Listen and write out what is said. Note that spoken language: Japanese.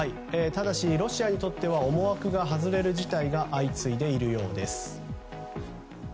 ただしロシアにとっては思惑が外れる事態が相次いでいるようです。